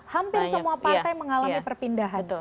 hampir semua partai mengalami perpindahan